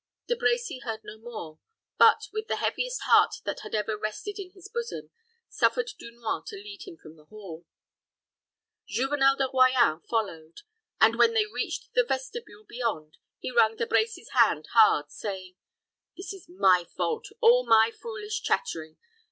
De Brecy heard no more; but, with the heaviest heart that had ever rested in his bosom, suffered Dunois to lead him from the hall. Juvenel de Royans followed, and, when they leached the vestibule beyond, he wrung De Brecy's hand hard, saying, "This is my fault all my foolish chattering.